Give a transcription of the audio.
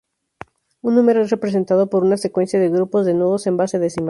Un número es representado por una secuencia de grupos de nudos en base decimal.